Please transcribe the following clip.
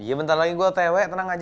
ya bentar lagi gue tewe tenang aja